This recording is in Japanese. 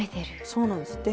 そうなんです。